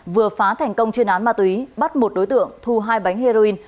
vừa phá thành công chuyên án ma túy bắt một đối tượng thu hai bánh heroin